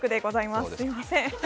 すみません。